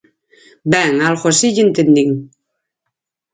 Ben, algo así lle entendín.